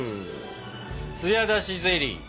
つや出しゼリー。